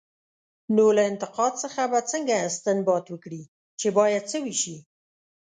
نو له انتقاد څخه به څنګه استنباط وکړي، چې باید څه وشي؟